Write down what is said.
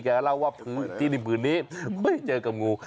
แกเล่าว่าเพื่อนนี้ไม่ได้เจอกับงู